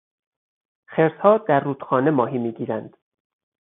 خرسها در رودخانه ماهی میگیرند.